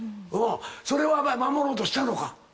それは守ろうとしたのか？